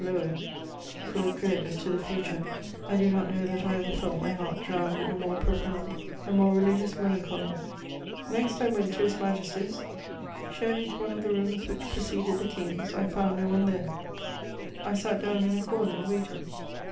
lowered: full of dread as to the future, I do not know that I ever felt my heart drowned in a more profound and more religious melancholy. Next I went to His Majesty's: shown into one of the rooms which preceded the King's, I found no one there; I sat down in a corner and waited.